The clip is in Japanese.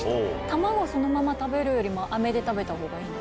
卵そのまま食べるよりもアメで食べたほうがいい？